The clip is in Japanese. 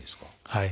はい。